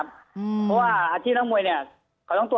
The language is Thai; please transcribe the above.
คุณเอกวีสนิทกับเจ้าแม็กซ์แค่ไหนคะ